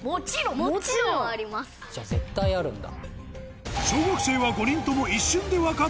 じゃあ絶対あるんだ。